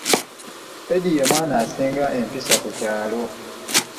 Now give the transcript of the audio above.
Eddy ye mwana asinga empisa ku kyalo.